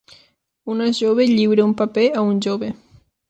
Una jove lliura un paper a un jove.